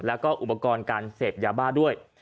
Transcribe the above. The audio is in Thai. แล้วก็อุปกรณ์การเสพยาบ้าด้วย